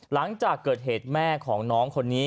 หลังจากเกิดเหตุแม่ของน้องคนนี้